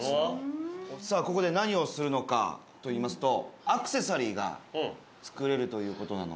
ここで何をするのかといいますとアクセサリーが作れるということなので。